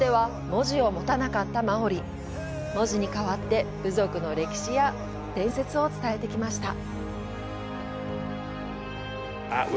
文字に代わって部族の歴史や伝説を伝えてきました。